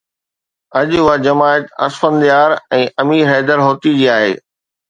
اڄ اها جماعت اسفند يار ۽ امير حيدر هوتي جي آهي.